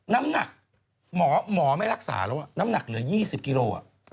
น้ำหนักม้องหมอไม่รักษาแล้ว